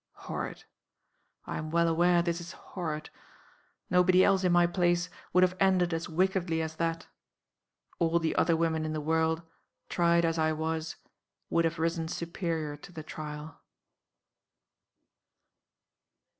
"Horrid I am well aware this is horrid. Nobody else, in my place, would have ended as wickedly as that. All the other women in the world, tried as I was, would have risen superior to the trial."